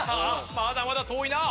まだまだ遠いな。